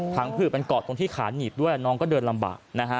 ถังผืดมันเกาะที่ขาหงีบด้วยเดินลำบาก